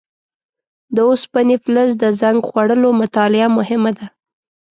د اوسپنې فلز د زنګ خوړلو مطالعه مهمه ده.